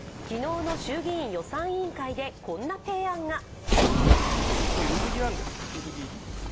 昨日の衆議院予算委員会でこんな提案が。